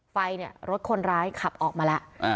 ไฟเนี่ยรถคนร้ายขับออกมาแล้ว